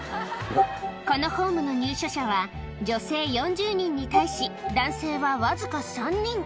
このホームの入所者は、女性４０人に対し、男性は僅か３人。